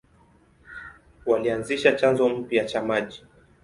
Walianzisha chanzo mpya cha maji.